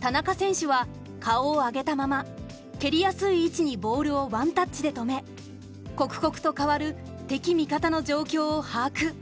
田中選手は顔を上げたまま蹴りやすい位置にボールをワンタッチで止め刻々と変わる敵味方の状況を把握。